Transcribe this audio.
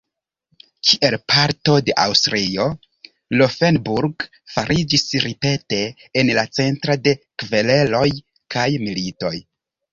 Kiel parto de Aŭstrio Laufenburg fariĝis ripete en la centro de kvereloj kaj militoj.